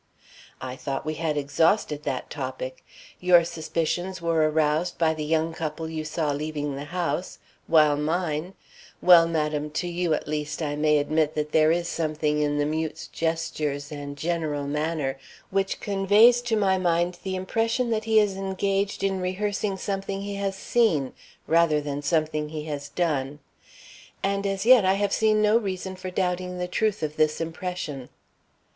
"I thought we had exhausted that topic. Your suspicions were aroused by the young couple you saw leaving the house, while mine well, madam, to you, at least, I may admit that there is something in the mute's gestures and general manner which conveys to my mind the impression that he is engaged in rehearsing something he has seen, rather than something he has done; and as yet I have seen no reason for doubting the truth of this impression."